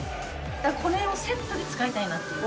だからこの辺をセットで使いたいなっていう。